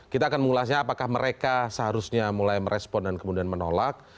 kita akan mengulasnya apakah mereka seharusnya mulai merespon dan kemudian menolak